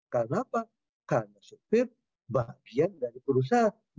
kenapa karena sopir bagian dari perusahaan